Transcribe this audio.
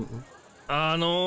あの。